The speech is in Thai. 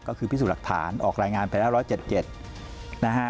ก็คือพิสูจน์หลักฐานออกรายงานไปละร้อยเจ็ดเจ็ดนะฮะ